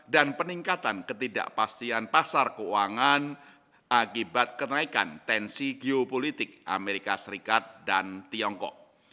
dan peningkatan ketidakpastian pasar keuangan akibat kenaikan tensi geopolitik amerika serikat dan tiongkok